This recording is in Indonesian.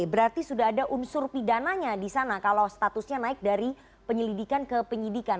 berarti sudah ada unsur pidananya di sana kalau statusnya naik dari penyelidikan ke penyidikan